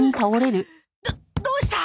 どどうした？